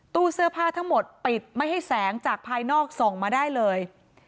ตู้เสื้อผ้าทั้งหมดปิดไม่ให้แสงจากภายนอกส่องมาได้เลย